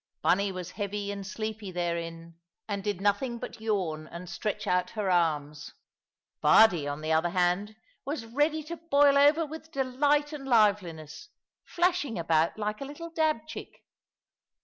Bunny was heavy and sleepy therein, and did nothing but yawn and stretch out her arms. Bardie, on the other hand, was ready to boil over with delight and liveliness, flashing about like a little dab chick.